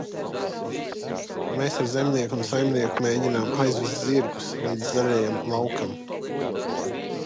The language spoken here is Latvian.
Mēs ar Zemnieku un saimnieku mēģinām aizvest zirgus līdz zaļajam laukam.